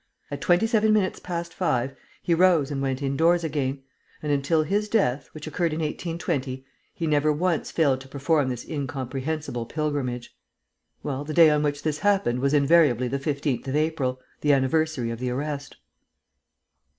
At twenty seven minutes past five, he rose and went indoors again; and until his death, which occurred in 1820, he never once failed to perform this incomprehensible pilgrimage. Well, the day on which this happened was invariably the 15th of April, the anniversary of the arrest."